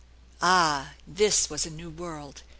Ah ! This was a new world